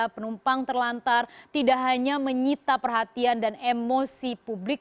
penumpang terlantar tidak hanya menyita perhatian dan emosi publik